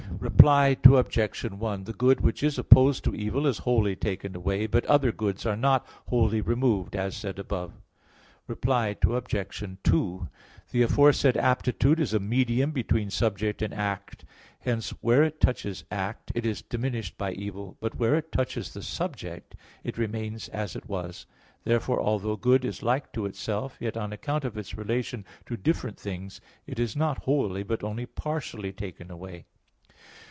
Reply Obj. 1: The good which is opposed to evil is wholly taken away; but other goods are not wholly removed, as said above. Reply Obj. 2: The aforesaid aptitude is a medium between subject and act. Hence, where it touches act, it is diminished by evil; but where it touches the subject, it remains as it was. Therefore, although good is like to itself, yet, on account of its relation to different things, it is not wholly, but only partially taken away.